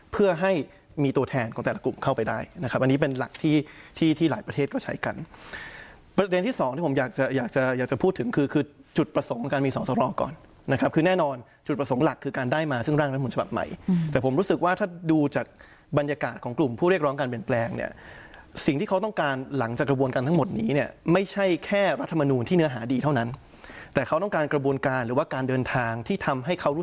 ประเด็นที่สองที่ผมอยากจะอยากจะอยากจะพูดถึงคือคือจุดประสงค์การมีสองสอร้องก่อนนะครับคือแน่นอนจุดประสงค์หลักคือการได้มาซึ่งร่างรัฐมนต์ฉบับใหม่